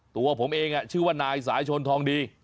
ตัวผมเองชื่อว่านายสายชนทองดี